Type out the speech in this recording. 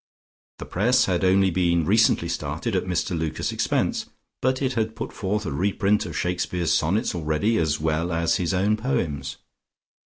The press had only been recently started at Mr Lucas's expense, but it had put forth a reprint of Shakespeare's sonnets already, as well as his own poems.